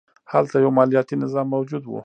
هلته یو مالیاتي نظام موجود و